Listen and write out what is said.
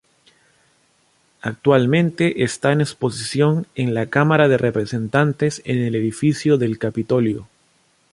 Actualmente está en exposición en la Cámara de Representantes en el edificio del Capitolio.